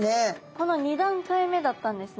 この２段階目だったんですね。